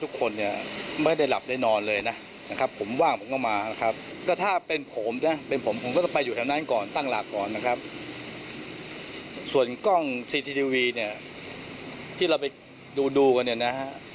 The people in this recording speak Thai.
ที่เราไปดูก่อนเนี่ยฮะ